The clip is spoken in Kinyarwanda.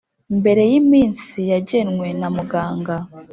mbere y’iminsi yagenwe na muganga.